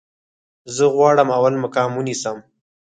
زه غواړم اول مقام ونیسم